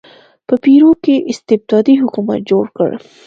په پیرو کې استبدادي حکومت جوړ کړ.